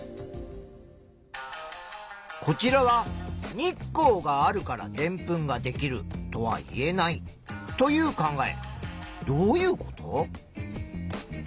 こちらは「日光があるからでんぷんができるとは言えない」という考え。